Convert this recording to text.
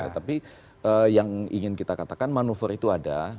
tapi yang ingin kita katakan manuver itu ada